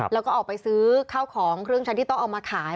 แล้วก็ออกไปซื้อข้าวของเครื่องชั้นที่ต้องเอามาขาย